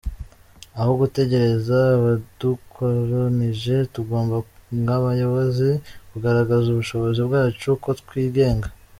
Aho gutegereza abadukolonije tugomba nk’abayobozi kugaragaza ubushobozi bwacu ko twigenga.”